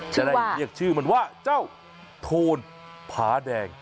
จะได้เรียกชื่อมันว่าเจ้าโทนผาแดง